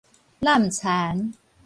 湳田